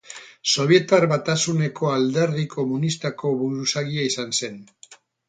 Sobietar Batasuneko Alderdi Komunistako buruzagia izan zen.